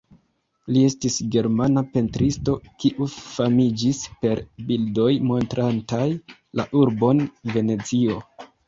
Li estis germana pentristo kiu famiĝis per bildoj montrantaj la urbon Venecio.